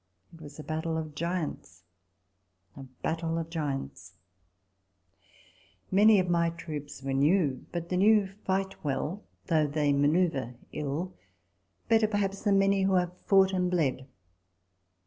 It was a battle of giants ! a battle of giants ! Many of my troops were new ; but the new fight well, though they manoeuvre ill ; better perhaps than many who have fought and bled.